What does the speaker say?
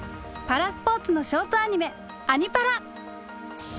パラスポーツのショートアニメ「アニ×パラ」！